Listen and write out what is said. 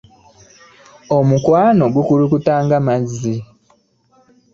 Omukwano gukulukuta nga mazzi.